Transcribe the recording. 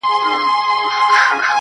• پلار چوپتيا کي مات ښکاري,